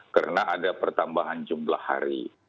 karena ada pertambahan jumlah hari